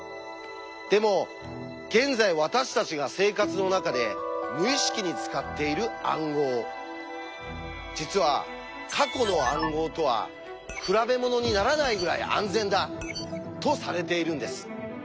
でも現在私たちが生活の中で無意識に使っている暗号実は過去の暗号とは比べ物にならないぐらい安全だ！とされているんです。